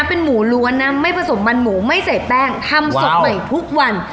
เป็นหมูล้วนนะไม่ผสมมันหมูไม่ใส่แป้งทำสดใหม่ทุกวัน